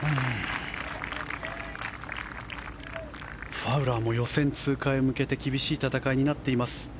ファウラーも予選通過へ向けて厳しい戦いになっています。